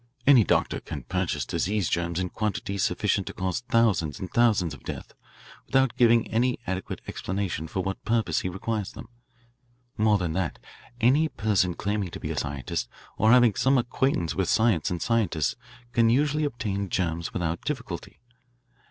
Any doctor can purchase disease germs in quantities sufficient to cause thousands and thousands of deaths without giving any adequate explanation for what purpose he requires them. More than that, any person claiming to be a scientist or having some acquaintance with science and scientists can usually obtain germs without difficulty.